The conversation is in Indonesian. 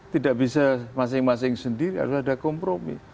tidak bisa masing masing sendiri harus ada kompromi